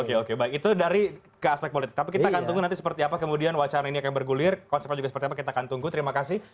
oke oke baik itu dari ke aspek politik tapi kita akan tunggu nanti seperti apa kemudian wacana ini akan bergulir konsepnya juga seperti apa kita akan tunggu terima kasih